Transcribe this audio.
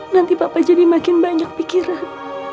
nanti papa jadi makin banyak pikiran